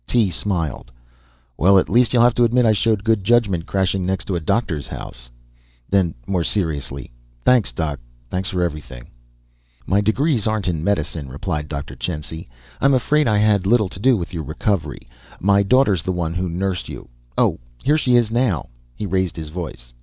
Tee smiled. "Well at least you'll have to admit I showed good judgment crashing next to a doctor's house." Then more seriously, "Thanks, doc, thanks for everything." "My degrees aren't in medicine," replied Dr. Chensi. "I'm afraid I had little to do with your recovery. My daughter's the one who nursed you. Oh, here she is now." He raised his voice.